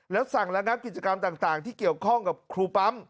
แล้วสั่งระงับกิจกรรมต่างที่เกี่ยวข้องกับครูปั๊ม